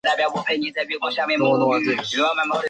然而也不是所有地震都能观测到明显的表面波。